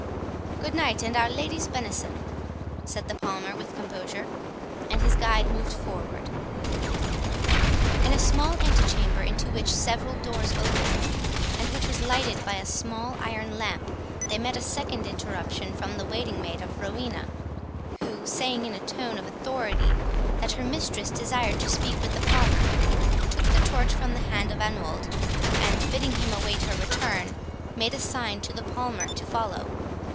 "Good night, and Our Lady's benison," said the Palmer, with composure; and his guide moved forward. In a small antechamber, into which several doors opened, and which was lighted by a small iron lamp, they met a second interruption from the waiting maid of Rowena, who, saying in a tone of authority, that her mistress desired to speak with the Palmer, took the torch from the hand of Anwold, and, bidding him await her return, made a sign to the Palmer to follow.